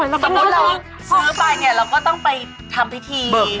สมมุติเราซื้อไปเนี่ยเราก็ต้องไปทำพิธี